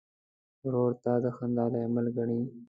ورور ته د خندا لامل ګڼې.